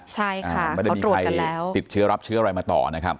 ใช่ค่ะไม่ได้มีใครติดเชื้อรับเชื้ออะไรมาต่อนะครับ